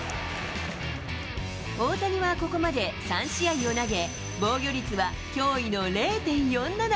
大谷はここまで３試合を投げ、防御率は驚異の０．４７。